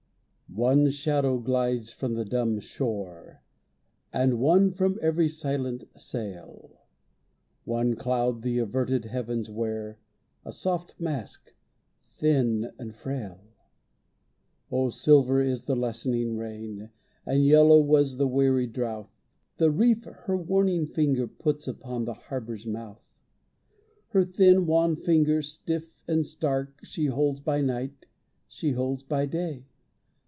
One shadow glides from the dumb shore, And one from every silent sail. One cloud the averted heavens wear, A soft mask, thin and frail. Oh, silver is the lessening rain, And yellow was the weary drouth. The reef her warning finger puts Upon the harbor's mouth. Her thin, wan finger, stiff and stark, She holds by night, she holds by day.